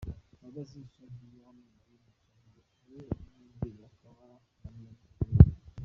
Mbabazi Shadia wamamaye nka Shaddy Boo, ni umunyamideli akaba na rwiyemezamirimo.